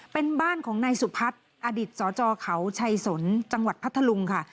เป็นบ้านของนายสุพัฒน์อดิตสจเขาชัยสนจังหวัดพัทธลุงค่ะ